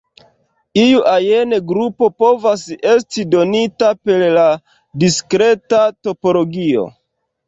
Iu ajn grupo povas esti donita per la diskreta topologio.